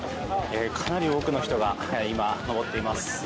かなり多くの人が今、登っています。